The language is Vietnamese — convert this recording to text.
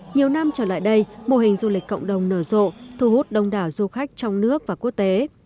nhiều năm trở lại đây mô hình du lịch cộng đồng nở rộ thu hút đông đảo du khách trong nước và quốc tế